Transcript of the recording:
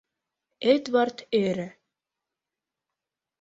— Эдвард ӧрӧ.